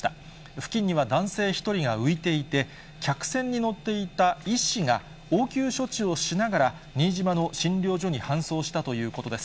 付近には男性１人が浮いていて、客船に乗っていた医師が、応急処置をしながら新島の診療所に搬送したということです。